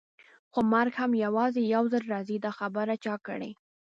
خو مرګ هم یوازې یو ځل راځي، دا خبره چا کړې؟